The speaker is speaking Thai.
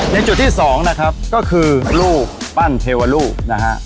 ในจุดที่สองนะครับก็คือรูปปั้นเทวรูปนะฮะ